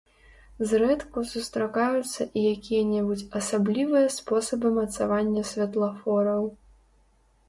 Зрэдку сустракаюцца і якія-небудзь асаблівыя спосабы мацавання святлафораў.